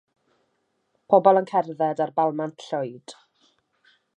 Pobl yn cerdded ar balmant llwyd.